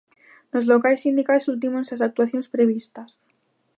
Nos locais sindicais ultímanse as actuacións previstas.